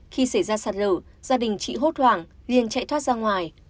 khi xảy ra sạt lở gia đình chị hốt hoàng liền chạy thoát ra ngoài